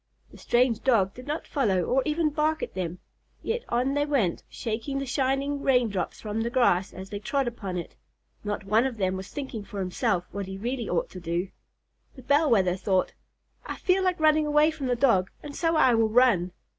The strange Dog did not follow or even bark at them, yet on they went, shaking the shining rain drops from the grass as they trod upon it. Not one of them was thinking for himself what he really ought to do. The Bell Wether thought, "I feel like running away from the Dog, and so I will run."